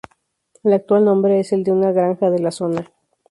El actual nombre es el de una granja de la zona.